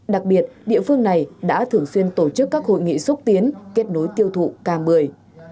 đặc biệt địa phương này đã thường xuyên tổ chức các hội nghị xúc tiến kết nối tiêu thụ ca bưởi